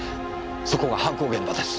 そこが犯行現場です。